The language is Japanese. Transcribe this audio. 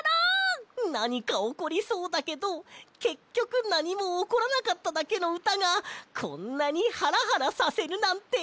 なにかおこりそうだけどけっきょくなにもおこらなかっただけのうたがこんなにハラハラさせるなんて！